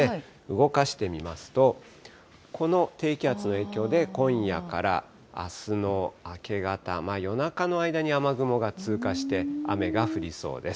動かしてみますと、この低気圧の影響で、今夜からあすの明け方、夜中の間に雨雲が通過して雨が降りそうです。